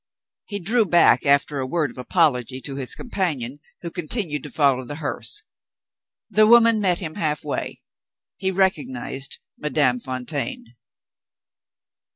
He drew back, after a word of apology to his companion, who continued to follow the hearse. The woman met him half way. He recognized Madame Fontaine.